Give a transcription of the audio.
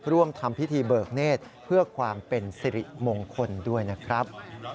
ร่วมทำพิธีเบิกเนธเพื่อความเป็นสิริมงคลด้วยนะครับ